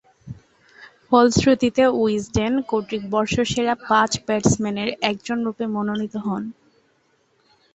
ফলশ্রুতিতে উইজডেন কর্তৃক বর্ষসেরা পাঁচ ব্যাটসম্যানের একজনরূপে মনোনীত হন।